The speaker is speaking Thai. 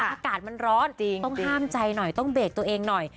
อากาศมันร้อนต้องห้ามใจหน่อยต้องเบรกตัวเองหน่อย